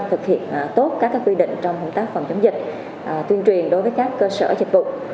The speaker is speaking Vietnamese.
thực hiện tốt các quy định trong công tác phòng chống dịch tuyên truyền đối với các cơ sở dịch vụ